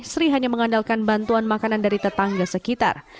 sri hanya mengandalkan bantuan makanan dari tetangga sekitar